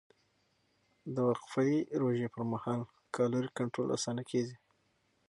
د وقفهيي روژې پر مهال کالوري کنټرول اسانه کېږي.